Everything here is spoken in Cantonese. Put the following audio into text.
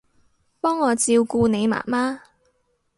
幫我照顧你媽媽